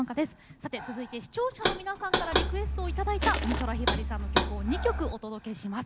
さて続いて視聴者の皆さんからリクエストを頂いた美空ひばりさんの曲を２曲お届けします。